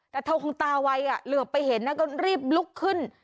แต่เธอคงตาไวเหลือไปเห็นนะก็รีบลุกขึ้น